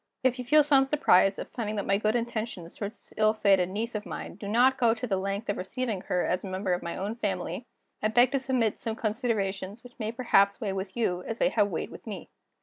"If you feel some surprise at finding that my good intentions toward this ill fated niece of mine do not go to the length of receiving her as a member of my own family, I beg to submit some considerations which may perhaps weigh with you as they have weighed with me.